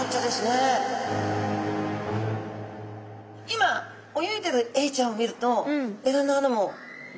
今泳いでるエイちゃんを見るとエラの穴も元気に動いてます。